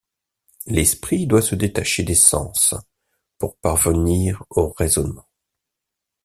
L'esprit doit se détacher des sens pour parvenir au raisonnement.